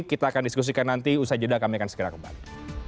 kita akan diskusikan nanti usai jeda kami akan segera kembali